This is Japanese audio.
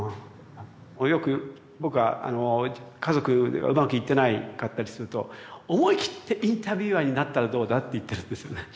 よく僕は家族でうまくいってなかったりすると思い切ってインタビュアーになったらどうだって言ってるんですね。